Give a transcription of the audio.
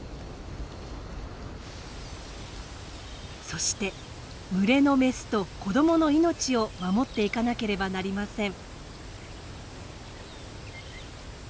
そして群れのメスと子どもの命を守っていかなければなりません。